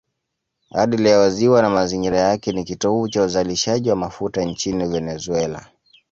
Hadi leo ziwa na mazingira yake ni kitovu cha uzalishaji wa mafuta nchini Venezuela.